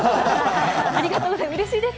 ありがとうございます。